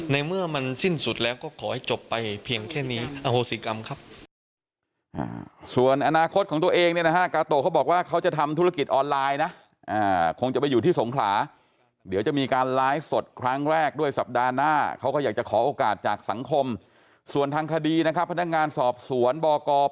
ในเมื่อมันสิ้นสุดแล้วก็ขอให้จบไปเพียงแค่นี้อโหสิกรรมครับ